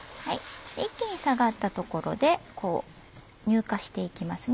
一気に下がったところで乳化していきますね。